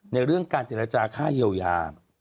ในเรื่องการเจรจาค่าเยียวยา